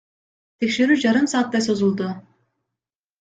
Текшерүү жарым сааттай созулду.